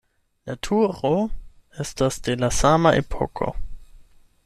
La turo estas de la sama epoko.